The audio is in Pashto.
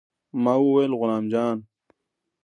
ما وويل غلام جان.